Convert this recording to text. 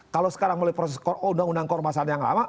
kalau sekarang melalui proses undang undang keormasan yang lama